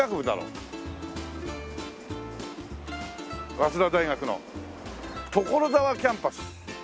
早稲田大学の所沢キャンパス。